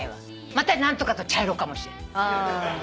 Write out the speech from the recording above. また何とかと茶色かもしれない。